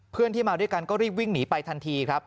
เพื่อนที่มาด้วยกันก็รีบวิ่งหนีไปทันทีครับ